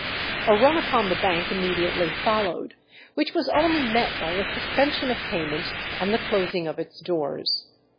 A run upon the bank immediately followed, which was only met by a suspension of payment and the closing of its doors.